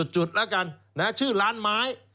จุดแล้วกันชื่อร้านไม้